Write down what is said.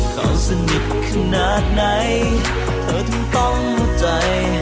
เพราะสนิทขนาดไหนเธอทั้งต้องหัวใจ